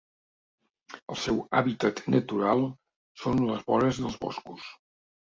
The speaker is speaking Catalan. El seu hàbitat natural són les vores dels boscos.